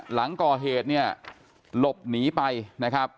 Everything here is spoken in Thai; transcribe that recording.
หลังก่อเหตุเนี่ยหลบหนีไปนะครับ